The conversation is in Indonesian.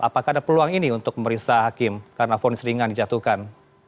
apakah ada peluang ini untuk memeriksa hakim karena vonis ringan dijatuhkan